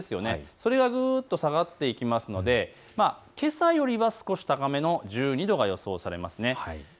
それがぐっと下がっていきますのでけさよりかは少し高めの１２度で予想されています。